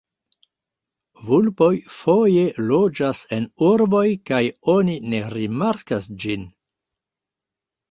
Vulpoj foje loĝas en urboj kaj oni ne rimarkas ĝin.